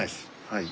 はい。